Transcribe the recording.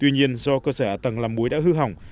tuy nhiên do cơ sở ả tầng làm muối đã hư hỏng